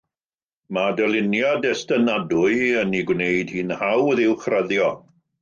Mae dyluniad estynadwy yn ei gwneud hi'n hawdd uwchraddio.